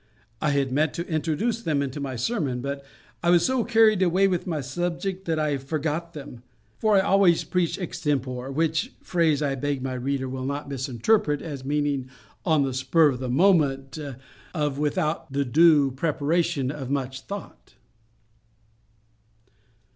I had meant to introduce them into my sermon, but I was so carried away with my subject that I forgot them. For I always preached extempore, which phrase I beg my reader will not misinterpret as meaning ON THE SPUR OF THE MOMENT, OF WITHOUT THE DUE PREPARATION OF MUCH THOUGHT.